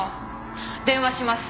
電話します。